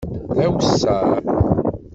D awessar.